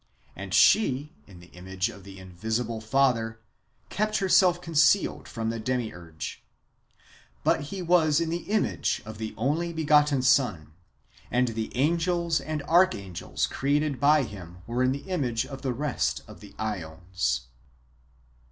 And she, in the image ^ of the invisible Father, kept herself concealed from the Demiurge. But he was in the image of the only begotten Son, and the angels and archangels created by him w^ere in the imao e of the rest of the ^ons.